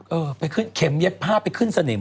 เออไปขึ้นเข็มเย็บผ้าไปขึ้นสนิม